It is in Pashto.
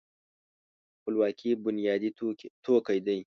خپلواکي بنیادي توکی دی.